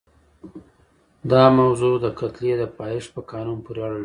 دا موضوع د کتلې د پایښت په قانون پورې اړه لري.